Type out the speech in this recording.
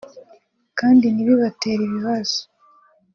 kandi ntibibatere ibibazo